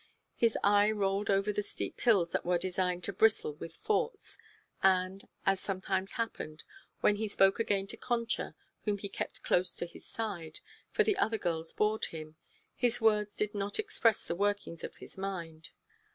His eye rolled over the steep hills that were designed to bristle with forts, and, as sometimes happened, when he spoke again to Concha, whom he kept close to his side, for the other girls bored him, his words did not express the workings of his mind.